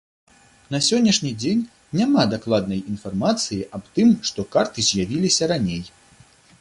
На сённяшні дзень няма дакладнай інфармацыі аб тым, што карты з'явіліся раней.